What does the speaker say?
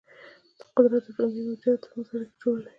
قدرت د ژوندي موجوداتو ترمنځ اړیکې جوړوي.